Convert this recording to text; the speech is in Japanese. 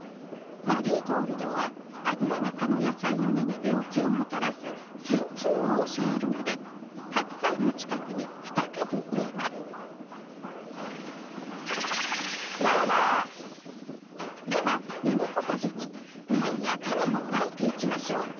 マリーゴールドはアブラナ科の野菜の根に病気をもたらすセンチュウを抑えるのでハクサイの近くに２株植えますではミニポタジェに苗やタネをまいていきましょう。